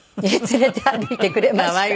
連れて歩いてくれました。